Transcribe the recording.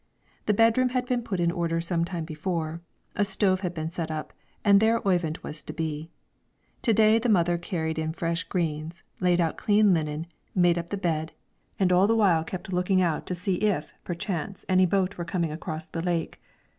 The bedroom had been put in order some time before, a stove had been set up, and there Oyvind was to be. To day the mother carried in fresh greens, laid out clean linen, made up the bed, and all the while kept looking out to see if, perchance, any boat were coming across the lake.